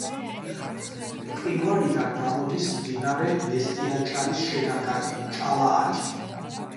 მყინვარიდან გამოდის მდინარე მესტიაჭალის შენაკადი ჭალაათი.